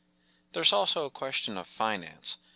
There’s also a question of finance.